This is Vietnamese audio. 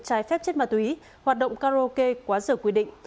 trái phép chất ma túy hoạt động karaoke quá giờ quy định